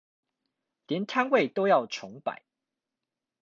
連攤位都要重擺